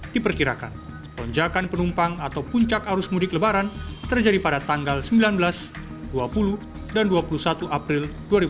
diperkirakan lonjakan penumpang atau puncak arus mudik lebaran terjadi pada tanggal sembilan belas dua puluh dan dua puluh satu april dua ribu dua puluh